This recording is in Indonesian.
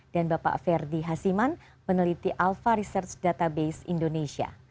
dan bapak ferdi hasiman peneliti alfa research database indonesia